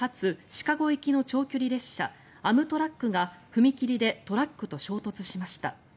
シカゴ行きの長距離列車アムトラックが踏切でトラックと衝突しました。